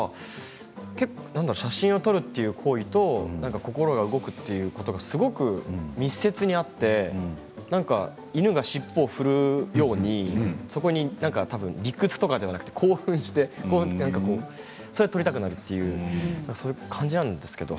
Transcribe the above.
写真を撮るという行為と心が動くということがすごく密接にあって犬が尻尾を振るようにそこに理屈ではなく興奮して、興奮というかなんか撮りたくなる感じなんですよね。